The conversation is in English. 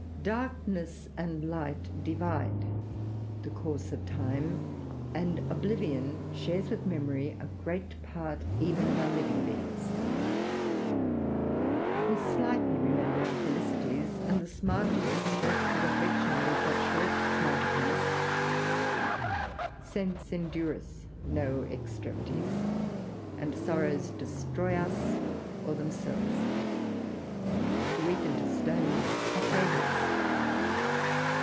] Darkness and light divide the course of time, and oblivion shares with memory a great part even of our living beings. We slightly remember our felicities, and the smartest strokes of affliction leave but short smart upon us. Sense endureth no extremities, and sorrows destroy us or themselves. To weep into stones are fables.